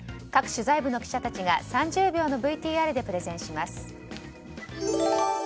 各取材部の記者たちが３０秒のＶＴＲでプレゼンします。